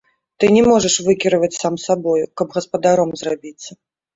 Ты не можаш выкіраваць сам сабою, каб гаспадаром зрабіцца.